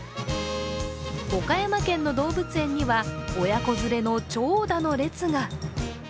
岡山県の動物園には親子連れの長蛇の列が。